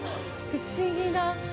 不思議な。